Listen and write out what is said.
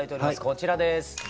こちらです。